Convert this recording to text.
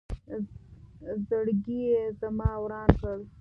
زړګې یې زما وران کړ